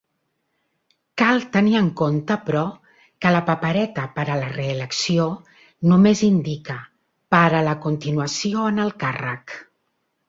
Cal tenir en compte, però, que la papereta per a la reelecció només indica "per a la continuació en el càrrec".